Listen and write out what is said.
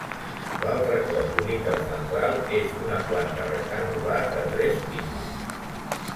L'altre cos unit al central és una planta rectangular de tres pisos.